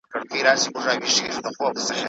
د بدن لپاره غوښه اړینه ده.